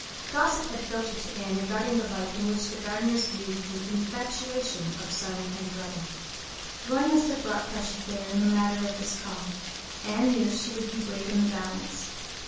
Gossip had filtered to Anne regarding the light in which the Gardners viewed the "infatuation" of son and brother. Roy must have brought pressure to bear in the matter of this call. Anne knew she would be weighed in the balance.